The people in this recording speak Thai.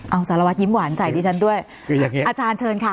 เอาสารวัตรยิ้มหวานใส่ที่ฉันด้วยอาจารย์เชิญค่ะ